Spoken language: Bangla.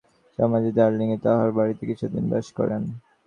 স্বামীজী দার্জিলিঙে তাঁহার বাড়ীতে কিছুদিন বাস করেন।